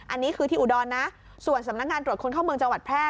อันนี้คือที่อุดรนะส่วนสำนักงานตรวจคนเข้าเมืองจังหวัดแพร่